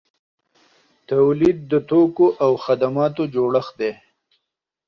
تولید د توکو او خدماتو جوړښت دی.